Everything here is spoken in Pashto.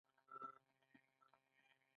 قوانین او مقررات او لوایح هم شته.